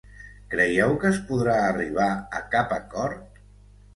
Creieu que es podrà arribar a cap acord?